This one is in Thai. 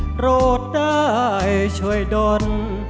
โกรธได้ช่วยดน